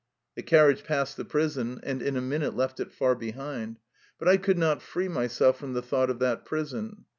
The carriage passed the prison, and in a minute left it far behind. But I could not free myself from the thought of that prison.